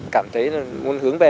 cảm thấy muốn hướng về